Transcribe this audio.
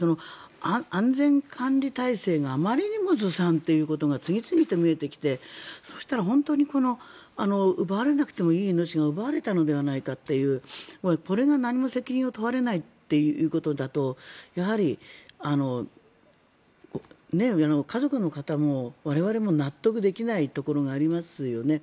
安全管理体制があまりにもずさんということが次々と見えてきて本当に奪われなくてもいい命が奪われたのではないかというこれが何も責任を問われないということだとやはり家族の方も我々も納得できないところがありますよね。